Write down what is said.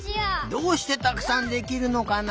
どうしてたくさんできるのかな？